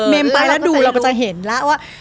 ไปแล้วดูเราก็จะเห็นแล้วว่า